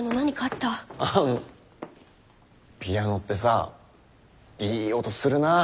ピアノってさいい音するなあ！